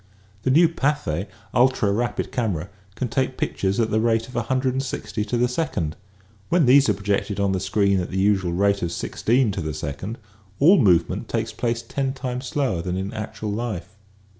The new Pathe ultra rapid camera can take pictures at the rate of i6o to the second. When these are projected on the screen at the usual rate of i6 to the second all movement takes place ten times slower than in actual life.